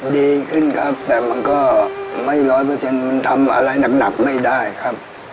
ดีขึ้นครับแต่มันก็ไม่ร้อยเปอร์เซ็นต์มันทำอะไรหนักไม่ได้ครับ